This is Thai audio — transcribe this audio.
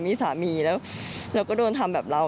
มีสามีแล้วเราก็โดนทำแบบเรา